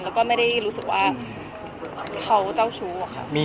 แล้วก็ไม่ได้รู้สึกว่าเขาเจ้าชู้อะค่ะ